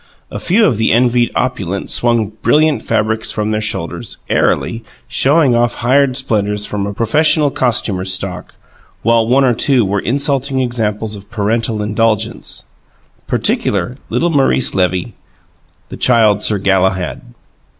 A few of the envied opulent swung brilliant fabrics from their shoulders, airily, showing off hired splendours from a professional costumer's stock, while one or two were insulting examples of parental indulgence, particularly little Maurice Levy, the Child Sir Galahad.